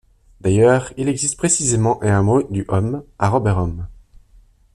D'ailleurs il existe précisément un Hameau du Hom à Robehomme.